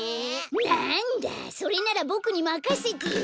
なんだそれならボクにまかせてよ。